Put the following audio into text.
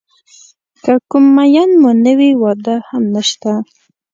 که کوم مېن مو نه وي واده هم نشته.